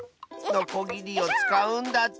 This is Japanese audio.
のこぎりをつかうんだって！